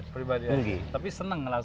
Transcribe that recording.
pribadi aja tapi senang lah